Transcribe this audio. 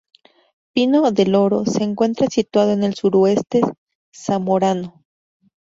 Pino del Oro se encuentra situado en el suroeste zamorano.